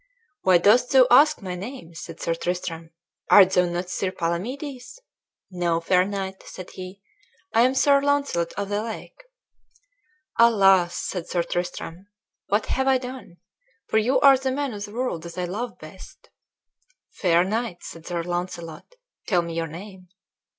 "Why dost thou ask my name?" said Sir Tristram; "art thou not Sir Palamedes?" "No, fair knight," said he, "I am Sir Launcelot of the Lake." "Alas!" said Sir Tristram, "what have I done? for you are the man of the world that I love best." "Fair knight," said Sir Launcelot, "tell me your name."